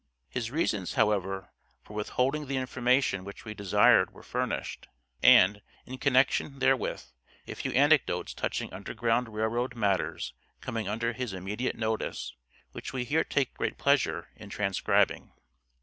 His reasons, however, for withholding the information which we desired were furnished, and, in connection therewith, a few anecdotes touching Underground Rail Road matters coming under his immediate notice, which we here take great pleasure in transcribing.